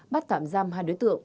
bắt tạm giam hai đối tượng